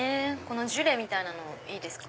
ジュレみたいなのいいですか？